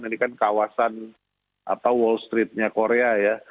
ini kan kawasan wall street nya korea ya